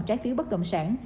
trái phiếu bất đồng sản